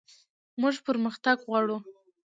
موږ پرمختګ غواړو